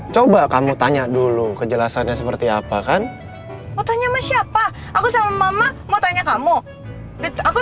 coba kamu tanya dulu kejelasannya seperti apa kan mau tanya sama siapa aku sama mama mau tanya kamu aku